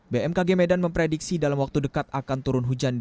bmkg medan memprediksi dalam waktu dekat akan turun hujan